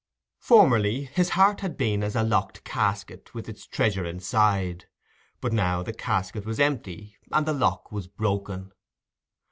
Formerly, his heart had been as a locked casket with its treasure inside; but now the casket was empty, and the lock was broken.